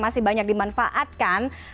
masih banyak dimanfaatkan